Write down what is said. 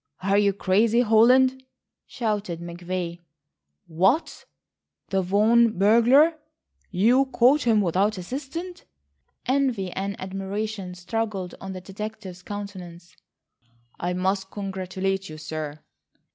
"Are you crazy, Holland?" shouted McVay. "What, the Vaughan burglar? You caught him without assistance?" Envy and admiration struggled on the detective's countenance. "I must congratulate you, sir."